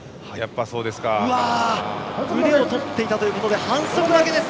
腕を取っていたということで反則負けです。